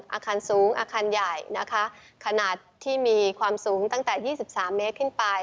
อาคารสูงอาคารใหญ่นะคะขนาดที่มีความสูงตั้งแต่๒๓เมตรขึ้นไป